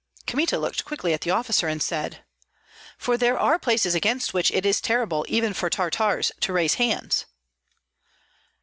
Kmita looked quickly at the officer, and said, "For there are places against which it is terrible, even for Tartars, to raise hands."